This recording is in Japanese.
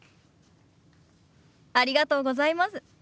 ありがとうございます。